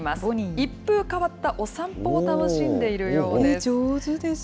一風変わったお散歩を楽しんでいるようです。